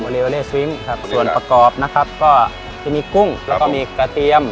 เรียกว่าเลสฟริ้งครับส่วนประกอบนะครับก็จะมีกุ้งแล้วก็มีกระเทียม